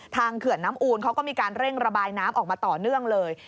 เขื่อนน้ำอูนเขาก็มีการเร่งระบายน้ำออกมาต่อเนื่องเลย